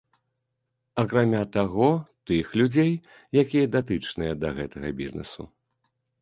Акрамя таго, тых людзей, якія датычныя да гэтага бізнесу.